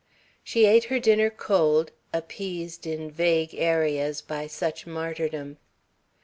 She ate her dinner cold, appeased in vague areas by such martyrdom.